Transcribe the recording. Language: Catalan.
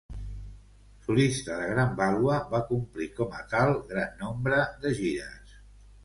Solista de gran vàlua, va complir com a tal gran nombre de gires.